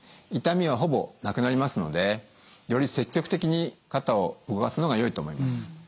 痛みはほぼなくなりますのでより積極的に肩を動かすのがよいと思います。